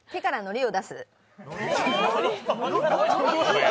おや？